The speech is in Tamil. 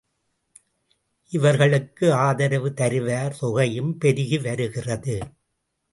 இவர்களுக்கு ஆதரவு தருவார் தொகையும் பெருகி வருகிறது.